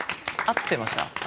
合ってました。